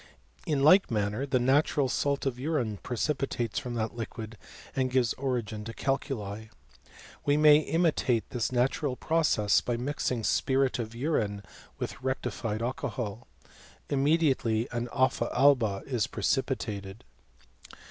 In like manner, the natural salt of urine precipitates from that liquid, and gives origin to cal cSL We may imitate this natural process by mixing spirit of urine with rectified alcohol. Immediately an offa alba is precipitated.